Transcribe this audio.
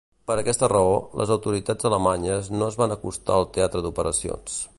Per aquesta raó, les autoritats alemanyes no es van acostar al teatre d'operacions.